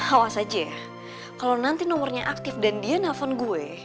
awas aja ya kalo nanti nomornya aktif dan dia nelfon gue